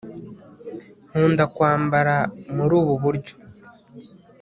nkunda kwambara muri ubu buryo